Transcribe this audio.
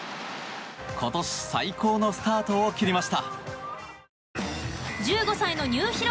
今年最高のスタートを切りました。